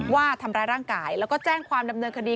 ว่าทำร้ายร่างกายแล้วก็แจ้งความดำเนินคดี